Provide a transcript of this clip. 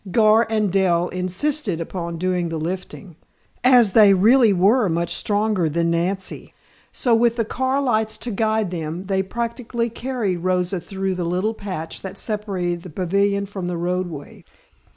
Gar and Dell insisted upon doing the lifting, as they really were much stronger than Nancy, so with the car lights to guide them, they practically carried Rosa through the little patch that separated the pavilion from the roadway.